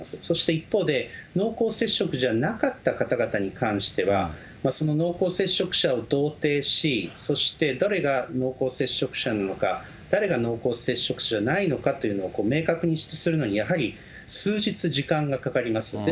そして一方で、濃厚接触じゃなかった方々に関しては、その濃厚接触者をどうていし、そして誰が濃厚接触者なのか、誰が濃厚接触者じゃないのかというのを明確にするのにやはり数日、時間がかかります。